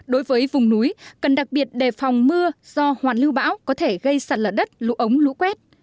đối với vùng núi cần đặc biệt đề phòng mưa do hoàn lưu bão có thể gây sạt lở đất lũ ống lũ quét